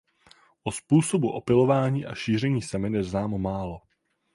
O způsobu opylování a šíření semen je známo málo.